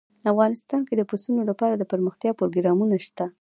افغانستان کې د پسونو لپاره دپرمختیا پروګرامونه شته.